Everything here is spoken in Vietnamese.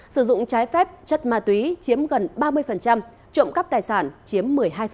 sử dụng trái phép chất ma túy chiếm gần ba mươi trộm cắp tài sản chiếm một mươi hai